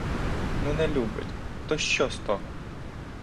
Ну, не любить, то що з того?